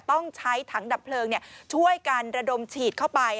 ต้องใช้ถังดับเพลิงช่วยกันระดมฉีดเข้าไป